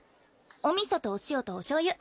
お味噌とお塩とおしょうゆ。